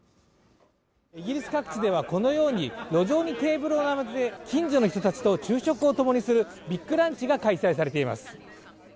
イギリス各地ではこのように路上にテーブルを並べて近所の人たちと昼食を共にするビッグランチが開催されています。